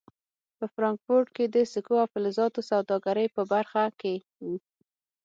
په فرانکفورټ کې د سکو او فلزاتو سوداګرۍ په برخه کې و.